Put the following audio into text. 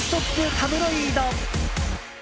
タブロイド。